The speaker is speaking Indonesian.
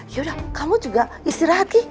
yaudah kamu juga istirahat ya